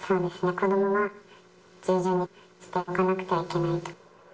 子どもは従順にしておかなくてはいけないと。